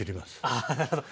あなるほど。